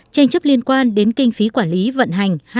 tranh chấp liên quan đến kinh phí quản lý vận hành